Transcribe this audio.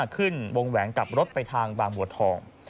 ขึ้นวงแหวนกลับรถไปทางบางบัวทอง